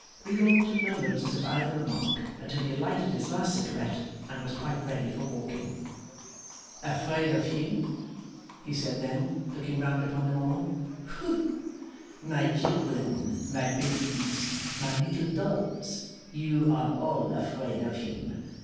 Rigaud took no notice of either remark until he had lighted his last cigarette and was quite ready for walking. 'Afraid of him,' he said then, looking round upon them all. 'Whoof! My children, my babies, my little dolls, you are all afraid of him.